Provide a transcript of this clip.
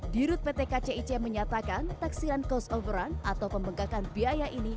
dirut pt kcic menyatakan taksiran cost of run atau pemengkakan biaya ini